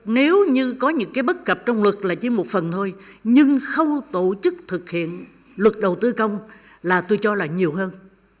nếu như có những cái bất cập trong luật là chỉ một phần thôi nhưng không tổ chức thực hiện luật đầu tư công là tôi cho là nhiều hơn